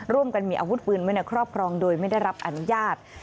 ร่วมกันมีอาวุธปืนไว้ในครอบครองโดยไม่ได้รับอนุญาต